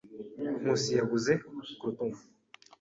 Nkusi yaguze croutons.